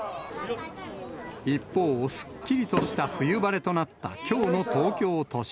一方、すっきりとした冬晴れとなったきょうの東京都心。